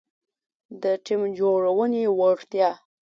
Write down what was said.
-د ټیم جوړونې وړتیا